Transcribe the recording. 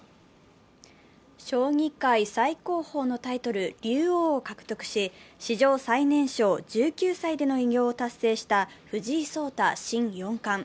将棋界最高峰のタイトル竜王を獲得し、史上最年少、１９歳での偉業を達成した藤井聡太新四冠。